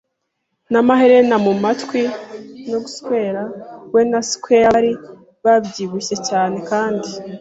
n'amaherena mu matwi no guswera. We na squire bari babyibushye cyane kandi